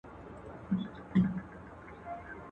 مفت شراب قاضي لا خوړلي دي.